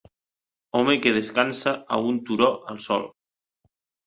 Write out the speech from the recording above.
Home que descansa a un turó al sol.